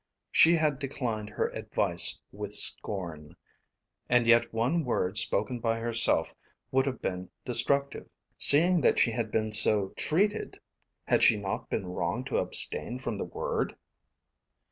She had declined her advice with scorn. And yet one word spoken by herself would have been destructive. Seeing that she had been so treated had she not been wrong to abstain from the word?